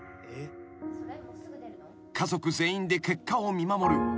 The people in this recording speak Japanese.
［家族全員で結果を見守る。